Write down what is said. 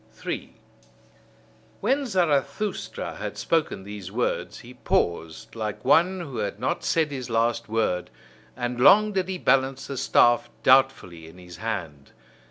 3. When Zarathustra had spoken these words, he paused, like one who had not said his last word; and long did he balance the staff doubtfully in his hand.